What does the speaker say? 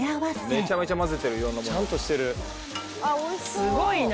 「すごいな！」